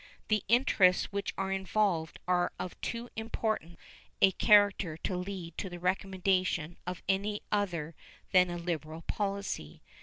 The interests which are involved are of too important a character to lead to the recommendation of any other than a liberal policy.